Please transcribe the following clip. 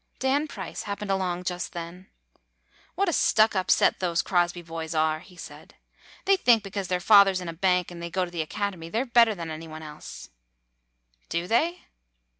Dan Price happened along just then. "What a stuck up set those Crosby boys are,'' he said. "They think because their father 's in a bank and they go to the Acad emy, they 're better than any one else." "Do they?"